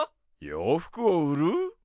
ようふくを売る？